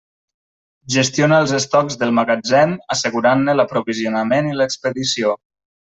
Gestiona els estocs del magatzem, assegurant-ne l'aprovisionament i l'expedició.